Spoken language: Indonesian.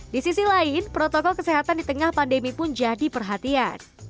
di sisi lain protokol kesehatan di tengah pandemi pun jadi perhatian